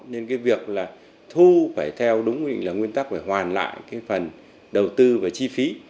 nên cái việc là thu phải theo đúng mình là nguyên tắc phải hoàn lại cái phần đầu tư về chi phí